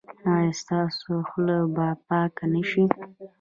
ایا ستاسو خوله به پاکه نه شي؟